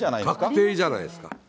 確定じゃないですか。